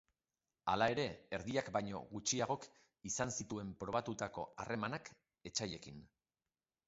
Hala ere, erdiak baino gutxiagok izan zituzten probatutako harremanak etsaiekin.